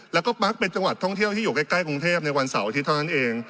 แล้วก็ปักเป็นจังหวัดท่องเที่ยวที่อยู่ใกล้กรุงเทพในวันเสาร์อาทิตย์เท่านั้นเอง